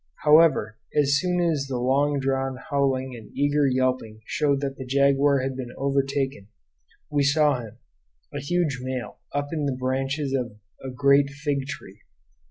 However, about as soon as the long drawn howling and eager yelping showed that the jaguar had been overtaken, we saw him, a huge male, up in the branches of a great fig tree.